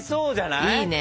いいね。